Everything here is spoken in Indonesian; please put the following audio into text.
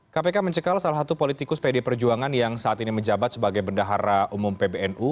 kpk mencekal salah satu politikus pd perjuangan yang saat ini menjabat sebagai bendahara umum pbnu